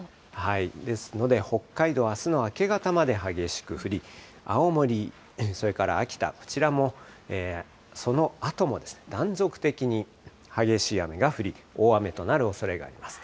ですので、北海道、あすの明け方まで激しく降り、青森、それから秋田、こちらも、そのあとも断続的に激しい雨が降り、大雨となるおそれがあります。